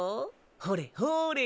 ほれほれ。